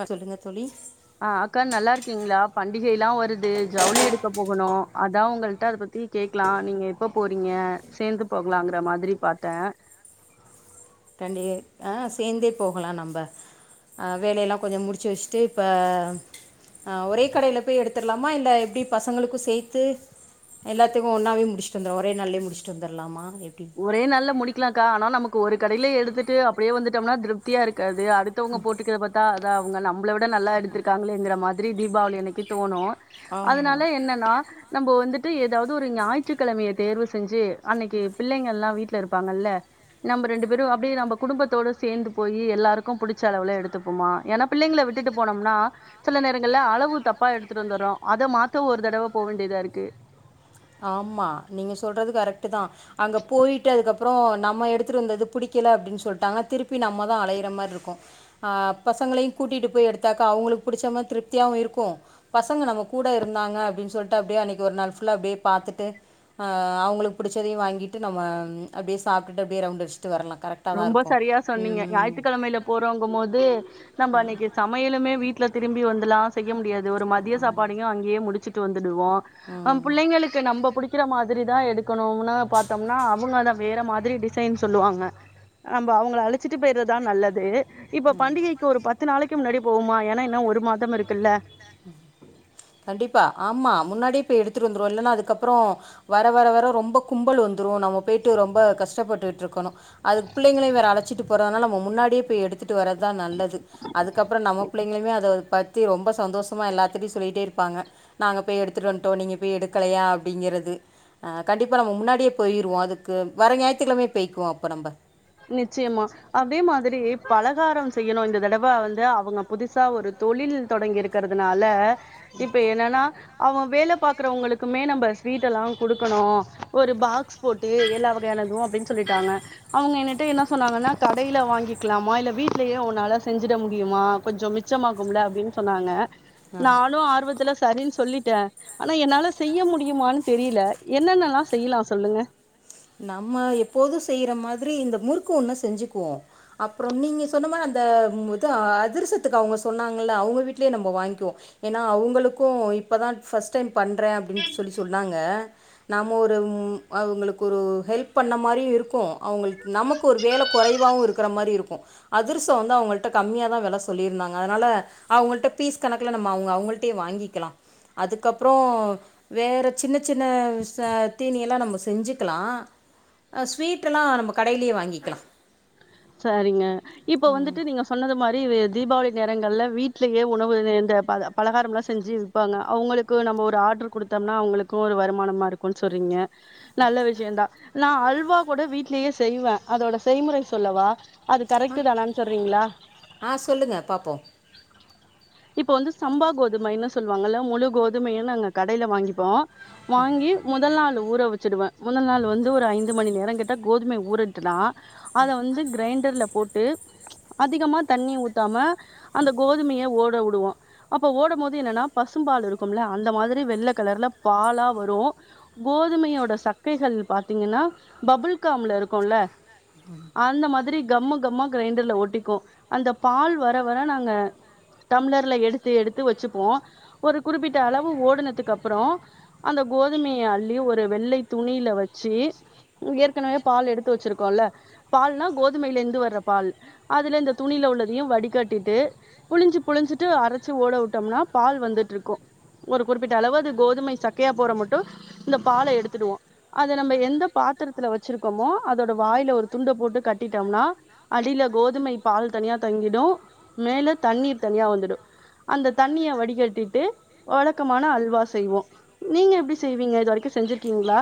ஆ சொல்லுங்க தோழி ஆ அக்கா நல்லாருக்கீங்களா பண்டிக எல்லா வருது ஜவுளி எடுக்க போகணு அதா உங்ககிட்ட அத பத்தி கேக்கலா நீங்க எப்ப போறீங்க சேந்து போகலாங்கற மாதிரி பாத்தே பண்டிகை ஆ சேந்தே போகலா நம்ப அ வேலையெல்லா கொஞ்சோ முடிச்சு வச்சுட்டு இப்ப ஆ ஒரே கடைல போய் எடுத்துடலாமா இல்ல எப்டி பசங்களுக்கு சேத்து எல்லாத்துக்கு ஒன்னாவே முடிச்சுட்டு வந்து ஒரே நாள்லே முடிச்சுட்டு வந்துரலாமா எப்டி ஒரே நாள்ல முடிக்கலாம்க்கா ஆனா நமக்கு ஒரு கடைல எடுத்துட்டு அப்டியே வந்துட்டோம்னா திருப்தியா இருக்காது அடு த்தவங்க போட்டுக்கிற பாத்தா அதா அவுங்க நம்மள விட நல்லா எடுத்திருக்காங்களேங்கிற மாதிரி தீபாவளி அன்னைக்கு தோணு ஆமாம் அதனால என்னன்னா நம்ம வந்துட்டு ஏதாவது ஒரு ஞாயிற்றுக்கிழமய தேர்வு செஞ்சு அன்னைக்கு பிள்ளைங்கள்ல்லா வீட்ல இருப்பாங்கல்ல நம்ம ரெண்டு பேரு அப்டியே நம்ப குடும்பத்தோட சேந்து போய் எல்லாருக்கு பிடிச்ச அளவுல எடுத்துப்போமா ஏன்னா பிள்ளைங்கள விட்டுட்டு போனோம்னா சில நேரங்கள்ல அளவு தப்பா எடுத்துட்டு வந்துறோ அத மாத்த ஒரு தடவ போக வேண்டியதா இருக்கு ஆமா நீங்க சொல்றது கரெக்ட் தா அங்க போய்ட்டு அதுக்கப்புறோ நம்ம எடுத்துட்டு வந்தது பிடிக்கல அப்டின்னு சொல்லிட்டாங்க திருப்பி நம்ம தா அலையிற மாதிரி இருக்கு அ பசங்களையு கூட்டிட்டு போய் எடுத்தாக்கா அவுங்களுக்கு பிடிச்ச மாதிரி திருப்தியாவு இருக்கு பசங்க நம்ம கூட இருந்தாங்க அப்டின் சொல்ட்டு அப்டியே அன்னைக்கு ஒரு நாள் ஃபுல்லா அப்டே பாத்துட்டு ஆ அவ்ங்களு புடிச்சதயு வாங்கிட்டு நம்ம அப்டியே சாப்ட்டுட்டு அப்டே ரௌண்ட் அடிச்சுட்டு வர்லா கர கரெக்ட் ரொம்ப சரியா சொன்னீங்க ஞாயித்துக்கெழமைல போறோங்கும் போது நம்ப அன்னைக்கி சமையலுமே வீட்ல திரும்பி வந்துலா செய்ய முடியாது ஒரு மதிய சாப்பாடையு அங்கயே முடிச்சிட்டு வந்துடுவோ அ ம் புள்ளைங்களுக்கு நம்ப புடிக்கிற மாதிரி தா எடுக்கணுனா பாத்தோம்னா அவுங்க அத வேற மாதிரி டிசைன் சொல்லுவாங்க நம்ப அவ்ங்கள அழிச்சிட்டு பேய்றத்தா நல்லது இப்ப பண்டிகைக்கு ஒரு பத்து நாளைக்கு முன்னாடி போவுமா ஏன்னா இன்னு ஒரு மாதம் இருக்குல்ல கண்டிப்பா ஆமா முன்னாடியே இப்ப எடுத்துட் வந்த்ருவோ இல்லன்னா அதுக்கப்பறோ வர வர வர ரொம்ப கும்பல் வந்துரு நம்ம போய்ட்டு ரொம்ப கஷ்டப்பட்டுட்ருக்கணு அது புள்ளைங்களையு வேற அழச்சிட்டு போறனால நம் முன்னாடியே போய் எடு த்துட்டு வர்றத்தா நல்லது அதுக்கப்றொ நம்ம பிள்ளைங்களுமே அதப் பத்தி ரொம்ப சந்தோஸ் மா எல்லாத்திட்டையு சொல்லிட்டே இருப்பாங்க நாங்க போய் எடுத்துட்டு வந்துட்டோ நீங்க போய் எடுக்கலையா அப்டிங்கெறது ஆ கண்டிப்பா நம்ம முன்னாடியே போய்ருவோ அதுக்கு வர ஞாய்த்துக்கெழமயே போய்க்குவோ அப்போ நம்ப நிச்சியமா அதே மாதிரி பலகாரொ செய்யணு இந்த தடவ வந்து அவங்க புதுசா ஒரு தொழில் தொடங்கி இருக் குறதுனால இப்ப என்னனா அவ்ங்க வேல பாக்குறவங்களுக்குமே நம்ப ஸ்வீட்டெல்லா குடுக்கணு ஒரு பாக்ஸ் போட்டு எல்லா வகையானது அப்டின் சொல்லிட்டாங்க அவ்ங்க என்னுட்ட என்னா சொன்னாங்கனா கடையில வாங்கிக்லாமா இல்ல வீட்லயே உன்னால செஞ்சிட முடியுமா கொஞ்சொ மி ச்சமாகும்ல அப்டின் சொன்னாங்க ஆ நானு ஆர்வத்துல சரின் சொல்லி ட்ட ஆனா என்னால செய்ய முடியுமானு தெரிய்ல என்னென்னலா செய்லா சொல்லுங்க நம்ம எப்போது செய்ற மாதிரி இந்த முறுக்கு ஒன்ன செஞ்சுக்குவோ அப்றொ நீங்கள் சொன்ன மாரி அந்தா இது அதிர்சத்துக்கு அவ்ங்க சொன்னாங்கல்ல அவ்ங்க வீட்டலயே நம்ம வாய்ங்க்கிவோ ஏனா அவங்களுக்கு இப்பதா ஃபஸ்ட் டைம் பண்றே அப்டின் சொல்லி சொன்னாங்க நாம ஒரு அவ்ங்களு க்கு ஒரு ஹெல்ப் பண்ண மாரியு இருக்கு அவ்ங்களுக் நமக்கு ஒரு வேல கொறைவாவு இருக்குற மாரி இருக்கு அதிர்சொ வந்து அவுங்கள்ட்ட கம்மியா தா வெல சொல்லியிருந்தாங்க அதனால அவுங்கள்ட்ட பீஸ் கணக்குல நம்ம அவ்ங்க அவுங்கள்ட்டயே வாங்கிக்கலா அதுக்கப்றொ வேற சின்னச் சின்ன ச தீனியெல்லா நம்ம செஞ்சி க்கலா ஆ ஸ்வீட் எல்லா நம்ம கடைலயே வாங்கிக்கலா சரிங்க இப்ப வந்துட்டு நீங்க சொன்னது மாரி வெ தீபாவளி நேரங்கள்ல வீட்லயே உணவு இந்த பத பலகாரம்லா செஞ்சி ப்பாங்க அவ்ங்களுக்கு நம்ம ஒரு ஆட்ரு குடுத்தோம்னா அவ்ங்களுக்கு ஒரு வருமானமா இருக்கூன் சொல்றீங்க நல்ல விஷயந்தா நா அல்வா கூட வீட்லயே செய்வ அதோட செய்முறை சொல்லவா அது ஆ கரெக்ட்டு தானான் சொல்றீங்களா ஆ சொல்லுங்க பாப்போ இப்போ வந்து சம்பா கோதுமைனு சொல்லுவாங்கல்ல முழு கோதுமையா நாங்க கடைல வாங்கிப்போ வாங்கி முதல் நாள் ஊற வச்சிடுவேன் மொதல் நாள் ஊர வச்சிடுவ முதல் நாள் வந்து ஒரு ஐந்து மணி நேரங் கிட்ட கோதுமை ஊறிட்டுனா அத வந்து க்ரைண்டர்ல போட்டு அதிகமா தண்ணி ஊத்தாம அந்த கோதுமைய ஓட உடுவோ அப்போ ஓடம் மோது என்னன்னா பசும் பால் இருக்கும்ல அந்த மாதிரி வெள்ள கலர்ல பாலா வரு கோதுமையோட சக்கைகள் பாத்தீங்கன்னா பபுல்காம்ல இருக்குல்ல ம் அந்த மாதிரி கம்மு கம்மா கிரைண்டர்ல ஒட்டிக்கும் அந்த பால் வர வர நா இருக்குங்க டம்ளர்ல எடுத்து எடுத்து வச்சுபோம் ஒரு குறிப்பிட்ட அளவு ஓடுனதுக்கு அப்பறோம் அந்த கோதுமைய அள்ளி ஒரு வெள்ளை துணியில வச்சு ஏற்கனவே பால் எடுத்து வச்சிருக்கோம்ல்ல பால்னா கோதுமைையில இருந்து வர்ற பால் அதுல இந்த துணியில உள்ளதையும் வடிகட்டிட்டு புழிஞ்சு புழிஞ்சிட்டு அரைச்சு ஓட விட்டோம்னா பால் வந்துட்டு இருக்கும் ஒரு குறிப்பிட்ட அளவு அது கோதுமை சக்கையா போற மட்டும் இந்த பாலை எடுத்துடுவோம் அதை நம்ம எந்த பாத்திரத்துல வச்சிருக்கோமோ அதோட வாயில ஒரு துண்ட போட்டு கட்டிட்டோம்னா அடியில கோதுமை பால் தனியா தங்கிடும் மேல தண்ணீர் தனியா வந்துடும் அந்த தண்ணிய வடிகட்டிட்டு வழக்கமான அல்வா செய்வோம் நீங்க எப்படி செய்வீங்க இது வரைக்கும் செஞ்சிருக்கீங்களா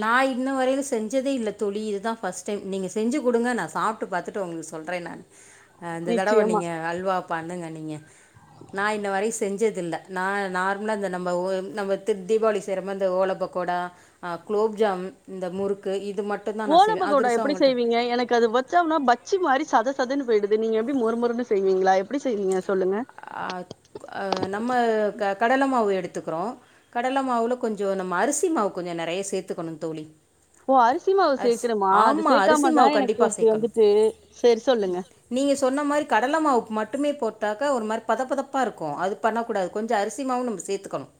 நான் இன்ன வரையில செஞ்சதே இல்லை தோழி இதுதான் ஃபர்ஸ்ட் டைம் நீங்க செஞ்சு கொடுங்க நான் சாப்பிட்டு பார்த்துட்டு உங்களுக்கு சொல்கிறேன் நானு இந்த தடவை நிச்சயமா நீங்க அல்வாப்பண்ணுங்க நீங்க நான் இன்ன வரை செஞ்சது இல்ல ந நார்மலா இந்த நம்ம நம்ம த தீபாவளி செய்ரமாரி அ இந்த ஓலப்பக்கோடா குலோப்ஜாம் இந்த முறுக்கு இது மட்டும் ஓலபக்கோடா எப்படி செய்வீங்க எனக்கு அது ஒ பஜ்ஜி மாதிரி சத சதன்னு போயிடுது நீ எப்படி மொரு மொரு ன்னு செய்வீங்களா எப்படி செய்வீங்க சொல்லுங்க நம்ம க கடலை மாவு எடுத்துக்கிறோம் கடலை மாவுல கொஞ்சம் நம்ம அரிசி மாவு கொஞ்சம் நெறைய சேர்த்துக்கணும் தோழி ஓ அரிசி மாவு அரிசி சேர்க்கணுமா அது ஆமாம் அரிசி சேர்க்காம மாவு தான் எனக்கு கண்டிப்பாக அப்படி வந்துட்டு செரி சொல்லுங்க நீங்க சொன்ன மாரி கடலை மாவு மட்டுமே போட்டாக்க மரு பதப்பதப்பா இருக்கும் அது பண்ண கூடாது கொஞ்சம் அரிசி மாவும் நம்ம சேர்த்துக்கணும்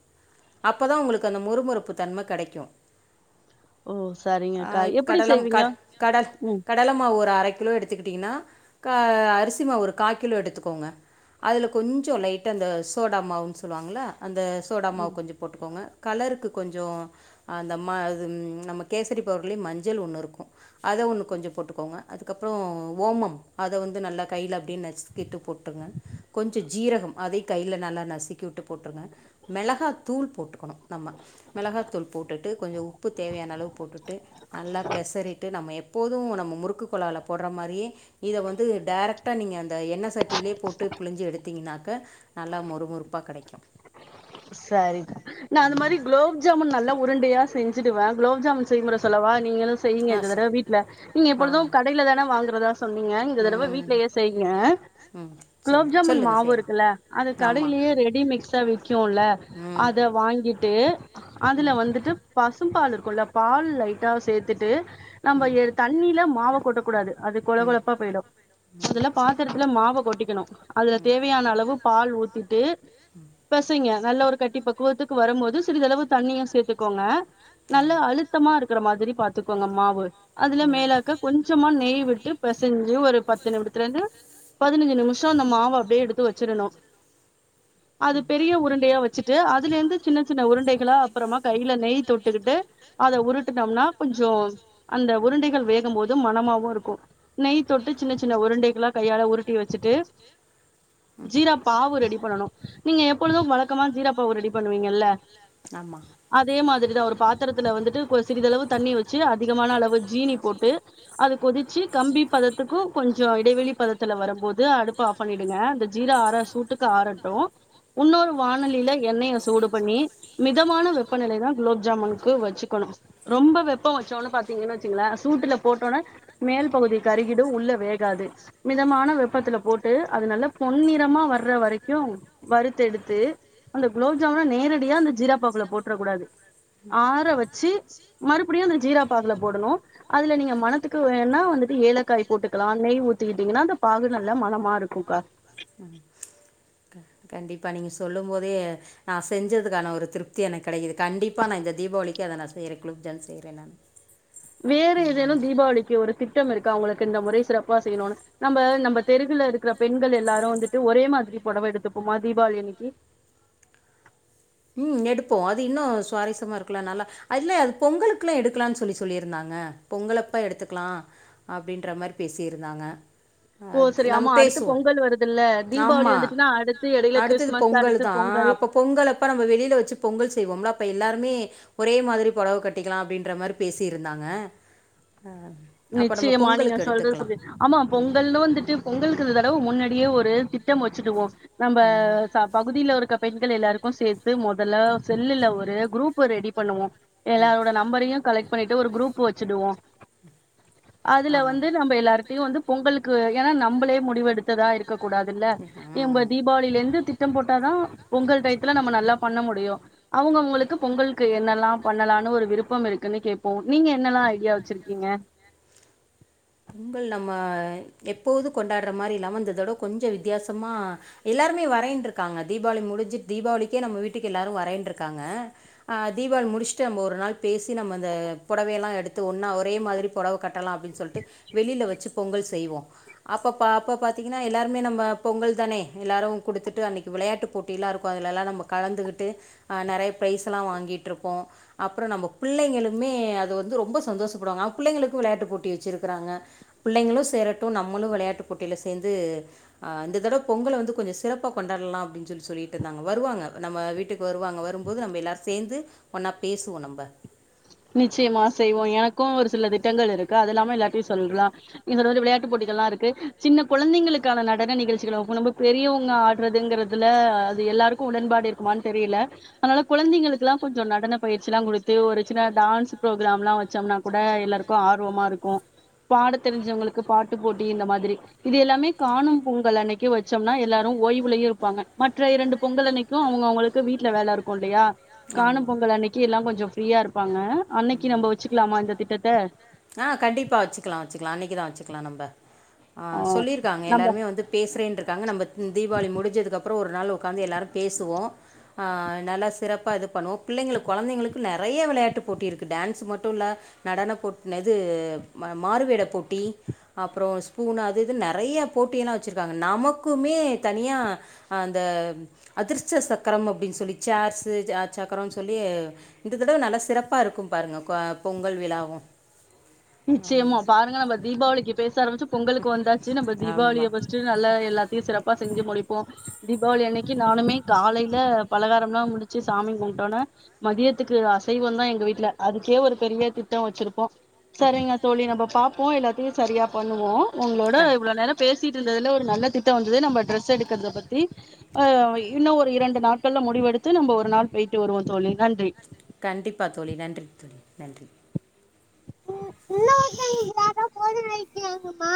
அப்போதான் உங்களுக்கு அந்த மொரு மொருப்பு தன்மை கிடைக்கும் ஓ! ஆ சரிங்கக்கா. இ எப்படி கடலம் க செய்வீங்க? கடல் கட ம். கடலை மாவு ஒரு அரை கிலோ எடுத்துக்கிட்டிங்கன்னா அரிசி மாவு ஒரு கால் கிலோ எடுத்துக்கோங்க அதில் கொஞ்சம் லைட்டா அந்த சோடா மாவுன்னு சொல்லுவாங்களா அந்த சோடா மாவு கொஞ்சம் போட்டுக்கோங்க கலருக்கு கொஞ்சம் அந்த மா அது நம்ம கேசரி பவுடர்லயும் மஞ்சள் ஒன்னு இருக்கும் அதை ஒன்னு கொஞ்சம் போட்டுக்கோங்க அதுக்கப்புறம் ஓமம் அதை வந்து நல்லா கையில அப்படின்னு நச்சுக்கிட்டு போட்டுங்க கொஞ்சம் ஜீரகம் அதே கையில நல்லா நசிக்கி விட்டு போட்டுருங்க மிளகா தூள் போட்டுக்கணும் நம்ம மிளகாத்தூள் போட்டுட்டு கொஞ்சம் உப்பு தேவையான அளவு போட்டுட்டு நல்லா பெசறிட்டு நம்ம எப்போதும் நம்ம முறுக்கு குழாவுல போடுற மாதிரியேஇதை வந்து டேரக்ட்டா நீங்கள் அந்த எண்ணெய சட்டியிலேயே போட்டுருங்க புழிஞ்சு எடுத்தீங்கனாக்க நல்லா மொறு மொரு ப்பாக கெடைக்கும் சரிங்க நான் அந்த மாதிரி குளோ குலாப் ஜாமுன் நல்லா உருண்டையா செஞ்சுடுவேன் குலாப் ஜாமுன் செய்முறை சொல்லவா நீங்களும் செய்யுங்க ஆ இந்த சொல் தடவைீட்டுல நீங்க ஆ எப்பொழுதும் கடையில தானே வாங்குறதான் சொன்னீங்க இந்த தடவை ம் வீட்லயே செய்யுங்க ம் குலாப் சொல்லுங்க ஜாமுன் சொல்லுங்கள் மாவு செய்யலாம் இருக்குல்ல அது ஆமாம் கடையிலேயே ரெடி மிக்ஸ் விக்கிம்ல ம் அத வாங்கிட்டு அதுல ம் வந்துட்டு பசும் பால் இருக்கும்ல பால் லைட்டா சேர்த்துட்டு நம்ம ம் தண்ணியில மாவை கொட்டக்க கூடாது அது கொழ கொழப்பா போயிடும் ம் அதெல்லாம் பாத்து த்தரத்துல மாவ கொட்டிக்கணு அதுல தேவையான அளவு பால் ஊத்திட்டு பெசைங்க நல்ல ஒரு கட்டி பக்குவத்துக்கு வரம்போது சிறிதளவு தண்ணியும் சேர்த்துக்கோங்க ம் ஆ நல்ல அழுத்தமா இருக்கிற மாதிரி பாத்துக்கோங்க மாவு அதுல மேலாக்க ம் கொஞ்சமா நெய் விட்டு பெசைஞ்சு ஒரு பத்து நிமிடத்துல இருந்து பதினஞ்சு நிமிஷொ அந்த மாவ அப்டியே எடுத்து வச்சிரணு அது ம் பெரிய உருண்டையா வச்சுட்டு அதுலேருந்து சின்ன சின்ன உருண்டைகளா அப்பறமா கையில நெய் தொட்டுக்கிட்டு அத உருட்டனம்னா கொஞ்சோ அந்த உருண்டைகள் வேகும் போது மணமாவு இருக்கூ நெய் தொட்டு சின்ன சின்ன உருண்டைகளா கையால உருட் டி வச்சுட்டு ம் ஜீரா பாவு ரெடி பண்ணனு நீங்க எப்பொழுதும் வழக்கமா ஜீராப்பாவு ரெடி பண்ணுவீங்கல்ல ஆமாம் அதே மாதிரிதா ஒரு பாத்தரத்துல வந்துட்டு கொ சிறிதளவு தண்ணி வச்சு அதிகமான அளவு ஜீனி போட்டு அது கொதிச்சி கம்பி பதத்துக்கும் கொஞ்சொ இடைவெளி பதத்துல வரம்போது அடுப்ப ஆஃப் பண்ணிடுங்க அந்த ஜீரா அற சூட்டுக்கு ஆறட்டு உன்னொரு வானெலில எண்ணெய சூடு பண்ணி மிதமான வெப்பநிலை தா குலாப் ஜாமுனுக்கு வச்சுக்கணு ரொம்ப வெப்பம் வச்சோன்னு பாத்தீங்கன்னு வச்சுங்களே சூட்டுல போட்டோன மேல் பகுதி கருகிடு உள்ள வேகாது மிதமான வெப்பத்துல போட்டு அது நல்ல பொன்னிறமா வர்ற வரைக்கு வறுத்தெடுத்து அந்த குலாப் ஜாமுன நேரடியா அந்த ஜீராப் பாகுல போட்ரக் கூடாது ஆற வச்சு மறுபடியு அந்த ஜீராப்பாகுல போடணு அதுல நீங்க மனத்துக்கு வேன்னா வந்துட்டு ஏலக்காய் போட்டுக்கலா நெய் ஊத்திக்கிட்டீங்கன்னா அந்த பாகு நல்லா மனமா இருக்குங்க்கா கண்டிப்பா நீங்க சொல்லும் போதே நா செஞ்சதுக்கான ஒரு திருப்தி எனக்கு கெடைக்குது கண்டிப்பா நா இந்த தீபாவளிக்கு அத நா செய்றே குலோப் ஜான் செய்றேன் நான் வேற ம் ஏதேனும் தீபாவளிக்கு ஒரு திட்டம் இருக்கா உங்களுக்கு இந்த முறை சிறப்பா செய்யணுனு நம்ப நம்ப தெருவுல இருக்கிற பெண்கள் எல்லாரு வந்துட்டு ஒரே மாதிரி பொடவை எடுத்துப்போமா தீபாவளி அன்னைக்கி ம் எடுப்போ அது இன்னு சுவாரஸ்யமா இருக்லா நல்லா இல்ல அது பொங்கலுக்குல்ல எடுக்லான் சொல்லி சொல்லி இருந்தாங்க பொங்கலப்ப எடுத்துக்லா அப்டின்ற மாரி பேசியிருந்தாங்க ஓ சரி அது நம்ம ஆமா அடுத்து பேசுவோ பொங்கல் வருதுல்ல தீபாவளி ஆமா வந்துட்டுன்னா அடுத்து எடையில அடுத்தது கிறிஸ்மஸ் பொங்கல் அடுத்து தா அப்ப பொங்கல் அப்ப நம்ப வெளியில வச்சு பொங்கல் செய்வோம்ல அப்ப எல்லோருமே ஒரே மாதிரி பொடவ கட்டிக்கலாம் அப்டின்ற மாரி பேசி இருந்தாங்க அ நிச்சயமா நீங்க சொல்றது புரிது ஆமா ம் பொங்கலு வந்துட்டு பொங்கலுக்கு இந்த தடவ முன்னாடியே ஒரு திட்டம் வச்சுடுவோ நம்ப ம் பகுதியில இருக்க பெண்கள் எல்லாருக்கு சேத்து மொதல்ல செல்லுல ஒரு குரூப்ப ரெடி பண்ணுவோ ம் எல்லாரோட நம்பரையு கலெக்ட் பண்ணிட்டு ஒரு குரூப்பு வச்சிடுவோ அதுல ஆமாம் வந்து நம்ப எல்லாருட்டயு வந்து பொங்கலுக்கு ஏன்னா நம்பளே முடிவெடுத்ததா இருக் க்க கூடாதுல்ல எம்ப ம் தீபாவளிலேருந்து தி திட்டம் போட்டாதா பொங்கல் டையத்துல நம்ம நல்லா பண்ண முடியு அவுங்கவுங்களுக்கு பொங்கல் இங்கு என்னெல்லாம் பண்ணலானு ஒரு விருப்பம் இருக்குன்னு கேப்போ நீங்க என்னல்லா ஐடியா வச்சிருக்கீங்க பொங்கல் நம்ம எப்போது கொண்டாட்ற மாரி இல்லாம இந்ததடவ கொஞ்ச வித்தியாசமா எல்லாருமே வரேண்ட்ருக்காங்க தீபாவளி முடிஞ்சுட்டு தீபாவளிக்கே நம்ம வீட்டுக்கு எல்லாரு வரேன்ருக்காங்க ஆ தீபாவளி முடிச்சுட்டு நம்ம ஒரு நாள் பேசி நம்ம அந்த பொடவையெல்லா எடுத்து ஒன்னா ஒரே மாதிரி பொடவ கட் கட்டலாம் அப்டின் சொல்ட்டு வெளில வச்சு பொங்கல் செய்வோ அப்ப அப்ப பாத்தீங்கன்னா எல்லாருமே நம்ம பொங்கல் தானே எல்லாரும் குடுத்துட்டு அன்னைக்கு விளையாட்டு போட் டிலா இருக்கும் அதுலெல்லா நாம கலந்துகிட்டு நறையா ஃப்ரெஸ் எல்லா வாங்கிட்டு இருப்போ அப்பற நம்ம புள்ளைங்களுமே அது வந்து ரொம்ப சந்தோஷப்படுவாங்க பிள்ளைங்களுக்கும் வெளையாட்டு போட்டி வச்சிரு க்கிறாங்க பிள்ளைங்களும் சேரட்டும் நம்மளும் வெளையாட்டுப் போட்டியில சேர்ந்து ஆ இந்த தடவ பொங்கல வந்து கொஞ்ச சிறப்பா கொண்டாட்லா அப்டின்னு சொல்லி சொல்லிட்டு இருந்தாங்க வருவாங்க நம்ம வீட்டுக் வருவாங்க வரும்போது நம்ம எல்லாரும் சேர்ந்து ஒன்னா பேசுவோம் நம்ம நிச்சயமா செய்வோ எனக்கும் ஒரு சில திட்டங்கள் இருக்கு அது இல்லாம எல்லாத்தையு சொல்லா இதுல வந்து வெளையாட்டு போட்டிகள்ல்லா இருக்கு சின்ன கொழந்தைங்களுக்கான நடன நிகழ்ச்சிகள் ரொம்ப பெரியவங்க ஆடுறதுங்கிறது அதுல அது எல்லாருக்கும் உடன்பாடு இருக்குமான் தெரியல அதனால குழந்தைங்களுக்குல்லா கொஞ்சோ நடன பயிற்சில்லா குடுத்து ஒரு சின்ன டான்ஸ் ப்ரோக்ராம்லா வச்சோம்னா கூட எல்லாருக்கும் ஆர்வமா இருக்கும் பாடத்தெரிஞ்சவங்களுக்கு பாட்டு போட்டி இந்த மாதிரி இது எல்லாமே காணும் பொங்கல் அன்னைக்கு வச்சோம்னா எல்லாரும் ஓய்வுலயு இருப்பாங்க மற்ற இரண்டு பொங்கல் அன்னைக் கும் அவங்க அவங்களுக்கு வீட்ல வேலை இருக்கும் இல்லையா காணும் ஆமாம் பொங்கல் அன்னைக்கு எல்லாம் கொஞ்ச ஃப்ரீயா இருப்பாங்க அன்னைக்கு நம்ம வச்சுக்கலாமா இந்த திட்டத்த ஆ கண்டிப்பா வச்சுக்கலா வச்சுக்கலா அன்னைக்குதா வச்சுக்கலா நம்ம ஆ சொல்லிருக்காங்க நம்ம எல்லாருமே வந்து பேசுறேன்ருக்காங்க நம்ம தீபாவளி முடிஞ்சதுக்கு அப்புற ஒரு நாள் உக்காந்து எல்லாரும் பேசுவோ ஆ நல்லா சிறப் பா இது பண்ணுவோ பிள்ளைங்களுக்கு கொழந்தைங்களுக்கு நறையா வெளையாட்டு போட்டி இருக்குது டான்ஸ் மட்டும் இல்லை நடன போட்னது மாறுவேடப்போட்டி அப்புறோ ஸ்பூன் அது இது நறையா போட்டியெல்லா வச்சுருக்காங்க நமக்குமே தனியா அந்த அதிர்ச்ச சக்கரம் அப்படின் சொல்லி சார்ஸ் ச சக்கரம் சொல்லி இந்த தடவ நல்ல சிறப்பா இருக்கும் பாருங்க பொங்கல் விழாவும் நிச்சயமா பாருங்க நம்ம தீபாவளிக்கு பேச ஆம்பிச்சு பொங்கலுக்கு வந்தாச்சு நம்ம தீபாவளிய ஆமாம் ஃபஸ்ட்டு நல்லா எல்லாத்தையு சிறப்பா செஞ்சு முடிப்போம் தீபாவளி அன்னைக்கு நானுமே காலையில பலகாரம்ல்லா முடிச்சு சாமி கும்பிட்டோனே மதியத்துக்கு அசைவம் தான் எங்க வீட்ல அதுக்கே ஒரு பெரிய திட்டொ வச்சிருப்போம் சரிங்க தோழி நம்ம பாப்போம் எல்லாத்தையும் சரியா பண்ணுவோ உங்களோட கண் இவ்ளோ நேரம் பேசிட்டு இருந்ததுல ஒரு நல்ல திட்டம் வந்தது நம்ம டிரெஸ் எடுக்குறத பத்தி ஆ இன்னு ஒரு இரண்டு நாட்கள்ல முடிவெடுத்து நம்ம ஒரு நாள் போயிட்டு வருவோம் தோழி நன்றி கண்டிப்பா தோழி நன்றி தோழி நன்றி இன்னொருத்தங்க யாரோ போது வைக்கிறாங்கம்மா